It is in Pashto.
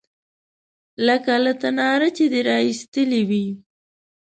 _لکه له تناره چې دې را ايستلې وي.